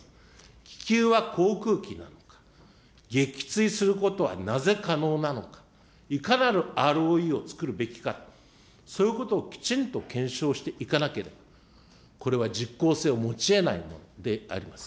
気球は航空機なのか、撃墜することはなぜ可能なのか、いかなるをつくるべきか、そういうことをきちんと検証していかなければ、これは実効性を持ちえないものであります。